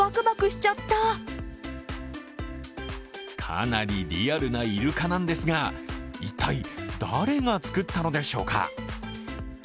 かなりリアルなイルカなんですが、一体誰が作ったのでしょうか。